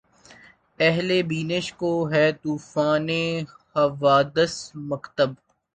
اہلِ بینش کو‘ ہے طوفانِ حوادث‘ مکتب